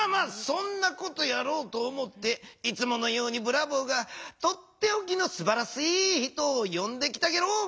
そんなことやろうと思っていつものようにブラボーがとっておきのすばらしい人をよんできたゲロ。